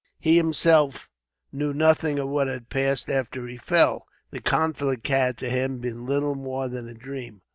He himself knew nothing of what had passed after he fell. The conflict had, to him, been little more than a dream.